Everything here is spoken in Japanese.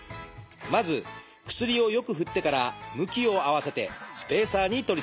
まず薬をよく振ってから向きを合わせてスペーサーに取り付けます。